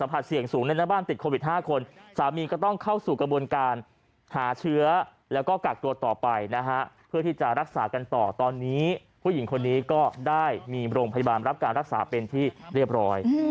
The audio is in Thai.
เพื่อที่จะรักษากันต่อตอนนี้ผู้หญิงคนนี้ก็ได้มีโรงพยาบาลรับการรักษาเป็นที่เรียบร้อย